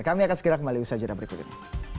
kami akan segera kembali bersajudah berikutnya